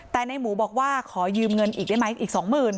แต่ในหมูบอกว่าขอยืมเงินอีกได้ไหมอีก๒๐๐๐